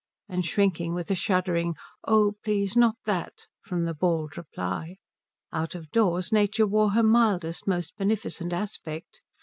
and shrinking with a shuddering "Oh please not that," from the bald reply. Out of doors Nature wore her mildest, most beneficent aspect.